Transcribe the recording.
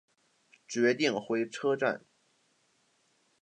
决定回车站